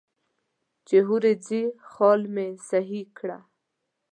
چې هورې ځې خال مې سهي کړه.